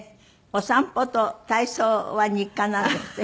お散歩と体操は日課なんですって？